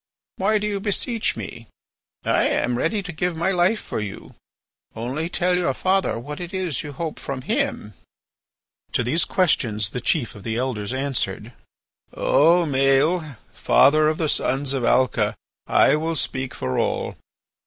Why do you beseech me? I am ready to give my life for you. Only tell your father what it is you hope from him." To these questions the chief of the Elders answered: "O Maël, father of the sons of Alca, I will speak for all.